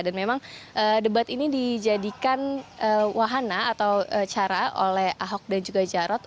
dan memang debat ini dijadikan wahana atau cara oleh ahok dan juga jaros